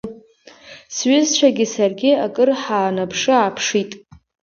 Сҩызцәагьы саргьы акыр ҳаанаԥшы-ааԥшит.